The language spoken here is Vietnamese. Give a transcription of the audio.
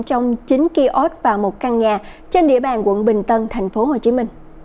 trong chín kiosk và một căn nhà trên địa bàn quận bình tân tp hcm